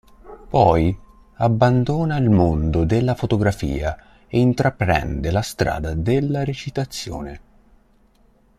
Poi abbandona il mondo della fotografia e intraprende la strada della recitazione.